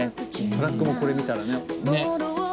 トラックもこれ見たらね。